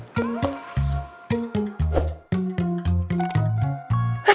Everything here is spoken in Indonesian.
sampai jumpa lagi